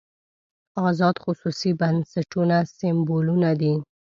ازاد خصوصي بنسټونه سېمبولونه دي.